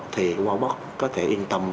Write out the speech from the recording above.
thì wabox có thể yên tâm